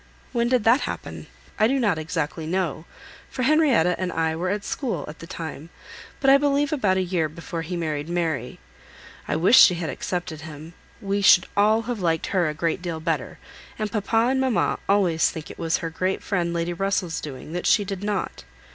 "When did that happen?" "I do not exactly know, for Henrietta and I were at school at the time; but I believe about a year before he married Mary. I wish she had accepted him. We should all have liked her a great deal better; and papa and mamma always think it was her great friend Lady Russell's doing, that she did not.